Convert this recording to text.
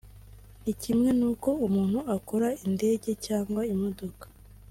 ni kimwe n’uko umuntu akora Indege cyangwa imodoka